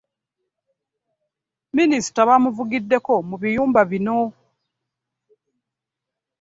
Mini sir a bamuvugiddeko mu biyumba bino .